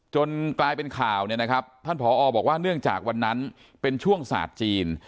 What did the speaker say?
กลายเป็นข่าวเนี่ยนะครับท่านผอบอกว่าเนื่องจากวันนั้นเป็นช่วงศาสตร์จีน